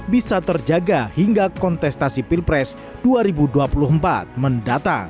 bisa terjaga hingga kontestasi pilpres dua ribu dua puluh empat mendatang